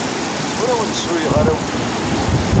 Ur awen-d-ssruyeɣ arraw-nwen.